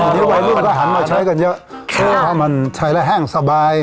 อันนี้วัยรุ่นก็หันมาใช้กันเยอะใช้แล้วแห้งสบาย